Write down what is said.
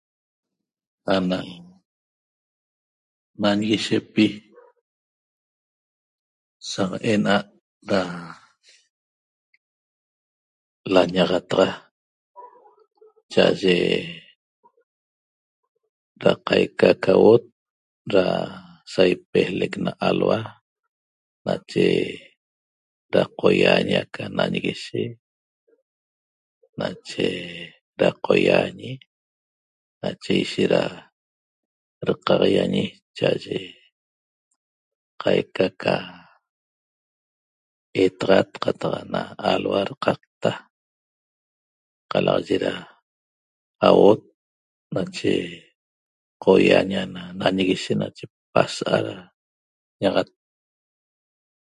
Ana nanguishepi saq en'a't da lañaxataxa cha'aye da qaica ca auot da sa ipejlec na alhua nache da qoýaañi aca nanguishe nache da qoýaañi nache ishet da daqaxaiañi cha'aye qaica ca etaxat qataq ana alhua daqaqta qalaxaye da auot nache qoýaañi ana nanguishe nache pasa'a da ñaxat